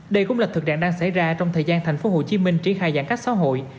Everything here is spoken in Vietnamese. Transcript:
đây cũng là thực đạn đang xảy ra trong thời gian thành phố hồ chí minh tri khai giãn cách xã hội